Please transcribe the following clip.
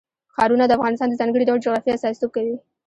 ښارونه د افغانستان د ځانګړي ډول جغرافیه استازیتوب کوي.